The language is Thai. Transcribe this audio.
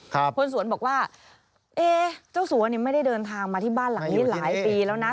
คนสวนบอกว่าเอ๊เจ้าสัวเนี่ยไม่ได้เดินทางมาที่บ้านหลังนี้หลายปีแล้วนะ